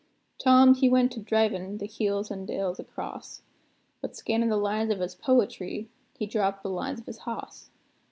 Tom he went a drivin' the hills an' dales across; But, scannin' the lines of his poetry, he dropped the lines of his hoss.